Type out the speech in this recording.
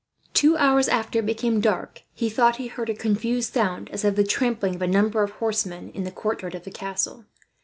Two hours after it became dark he thought he heard a confused sound, as of the trampling of a number of horsemen in the courtyard of the castle.